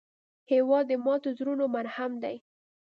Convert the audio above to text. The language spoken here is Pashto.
هېواد د ماتو زړونو مرهم دی.